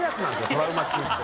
「トラウマ中」って。